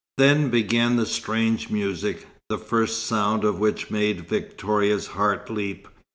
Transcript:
Then began strange music, the first sound of which made Victoria's heart leap.